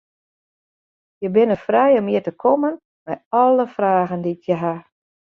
Je binne frij om hjir te kommen mei alle fragen dy't je ha.